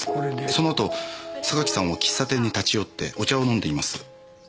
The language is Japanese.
その後榊さんは喫茶店に立ち寄ってお茶を飲んでいます。